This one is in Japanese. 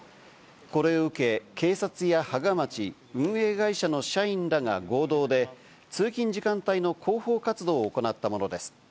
これを受け、警察や芳賀町、運営会社の社員らが合同で通勤時間帯の広報活動を行ったものです。